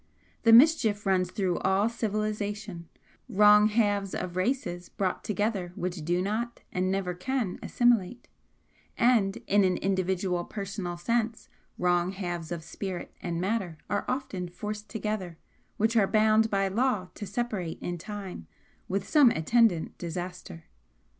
The mischief runs through all civilization, wrong halves of races brought together which do not and never can assimilate, and in an individual personal sense wrong halves of spirit and matter are often forced together which are bound by law to separate in time with some attendant disaster.